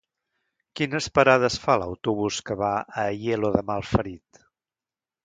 Quines parades fa l'autobús que va a Aielo de Malferit?